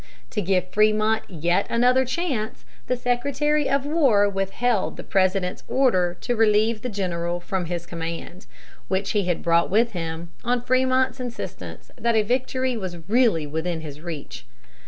To give Frémont yet another chance, the Secretary of War withheld the President's order to relieve the general from command, which he had brought with him, on Frémont's insistence that a victory was really within his reach.